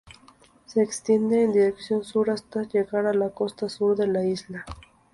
Se extiende en dirección sur hasta llegar a la costa sur de la isla.